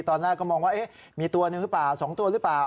ตอนแรกก็มองว่ามีตัวหนึ่งหรือเปล่า๒ตัวหรือเปล่า